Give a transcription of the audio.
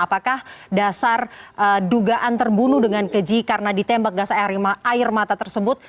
apakah dasar dugaan terbunuh dengan keji karena ditembak gas air mata tersebut